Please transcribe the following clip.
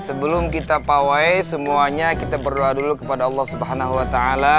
sebelum kita pawai semuanya kita berdoa dulu kepada allah swt